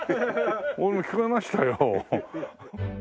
俺聞こえましたよ。